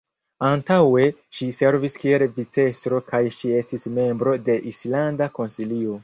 Antaŭe ŝi servis kiel vicestro kaj ŝi estis membro de Islanda Konsilio.